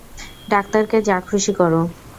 ডাক্তারকে যা খুশি করো।